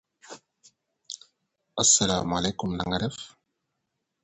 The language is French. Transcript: Cette pisciculture se fait sur le même mode que celle des saumons.